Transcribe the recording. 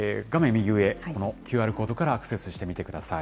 右上、このＱＲコードからアクセスしてみてください。